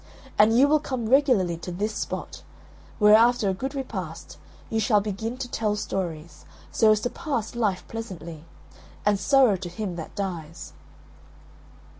And you will come regularly to this spot; where, after a good repast, you shall begin to tell stories, so as to pass life pleasantly and sorrow to him that dies!"